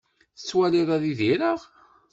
Tettwaliḍ ad idireɣ?